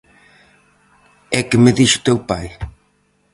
E que me dixo teu pai.